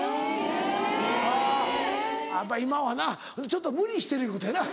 あぁあぁやっぱ今はなちょっと無理してるいうことやな。